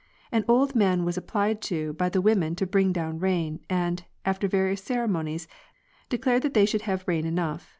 An old man was applied to by the women to bring down rain, and, after various ceremonies, de clared that they should have rain enough.